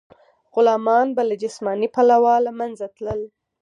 غلامان به له جسماني پلوه له منځه تلل.